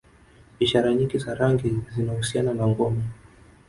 Ishara nyingi za rangi zinahusiana na Ngombe